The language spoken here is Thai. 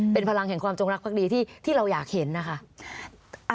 เป็นพลังแห่งความจงรักภักดีที่เราอยากเห็นนะคะ